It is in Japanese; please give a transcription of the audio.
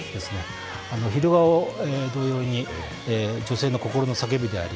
「昼顔」同様に女性の心の叫びであり